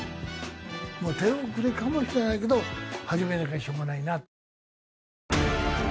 もう手遅れかもしれないけど始めなきゃしょうがないなと。